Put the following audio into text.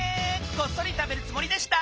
こっそり食べるつもりでした。